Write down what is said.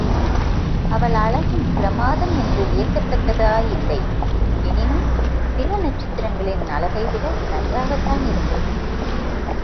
அவள் அழகும் பிரமாதம் என்று வியக்கத் தக்கதாயில்லை யெனினும் சில நட்சத்திரங்களின் அழகை விட நன்றாகத் தானிருந்தது.